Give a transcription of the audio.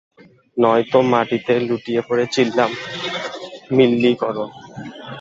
নয়তো, মাটিতে লুটিয়ে পড়ে চিল্লামিল্লি করো।